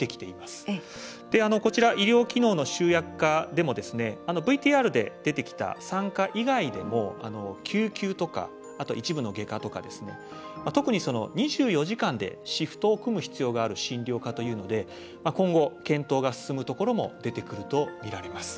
こちら医療機能の集約化でもＶＴＲで出てきた産科以外でも救急とかあと一部の外科とか特に２４時間でシフトを組む必要がある診療科というので今後検討が進むところも出てくるとみられます。